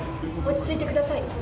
落ち着いてください。